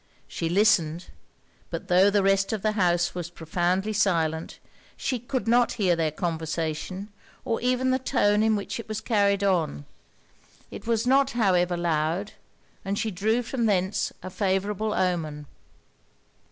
She listened; but tho' the rest of the house was profoundly silent, she could not hear their conversation or even the tone in which it was carried on. It was not, however, loud, and she drew from thence a favourable omen.